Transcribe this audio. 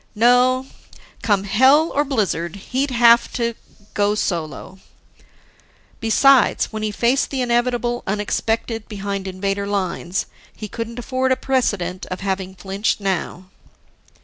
No, come hell or blizzard, he'd have to go solo. Besides, when he faced the inevitable unexpected behind Invader lines, he couldn't afford a precedent of having flinched now.